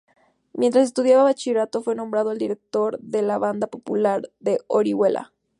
Mientras estudiaba Bachillerato fue nombrado director de la Banda Popular de Orihuela.